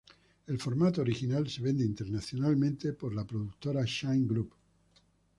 El formato original se vende internacionalmente por la productora Shine Group.